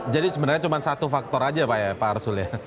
jadi sebenarnya cuma satu faktor aja pak arsul ya